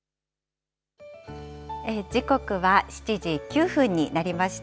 時刻は７時９分になりました。